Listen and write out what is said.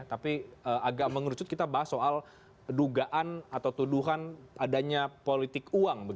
tapi agak mengerucut kita bahas soal dugaan atau tuduhan adanya politik uang